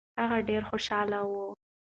هغه ډېر خوشاله و.